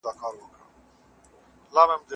زه لکه چي ژونده ډېر کلونه پوروړی یم